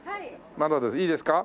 まだいいですか？